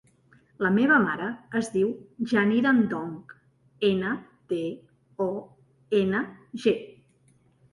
La meva mare es diu Yanira Ndong: ena, de, o, ena, ge.